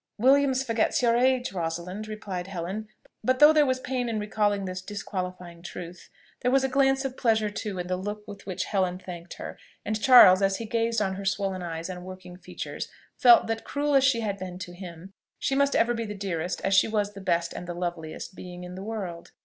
"Williams forgets your age, Rosalind," replied Helen: but though there was pain in recalling this disqualifying truth, there was a glance of pleasure too in the look with which Helen thanked her; and Charles, as he gazed on her swollen eyes and working features, felt that, cruel as she had been to him, she must ever be the dearest, as she was the best and the loveliest, being in the world.